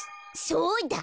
そうだ！